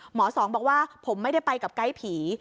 สองบอกว่าผมไม่ได้ไปกับไกด์ผี